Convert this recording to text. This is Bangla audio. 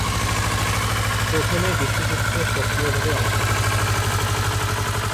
প্রথমে বিশ্বযুদ্ধে সক্রিয়ভাবে অংশগ্রহণ করেন।